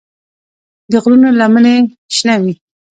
د غرونو لمنې شنه وې.